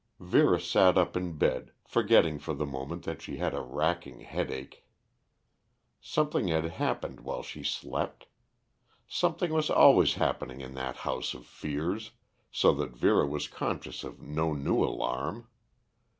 Vera sat up in bed, forgetting for the moment that she had a racking headache. Something had happened while she slept. Something was always happening in that house of fears, so that Vera was conscious of no new alarm.